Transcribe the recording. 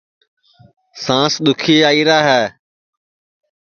سانٚس دُؔکھی آئیرا ہے